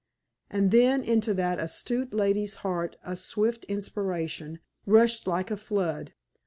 And then into that astute lady's heart a swift inspiration rushed like a flood.